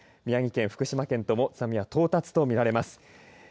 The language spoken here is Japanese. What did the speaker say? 宮城県、福島県とも津波は到達とみられます。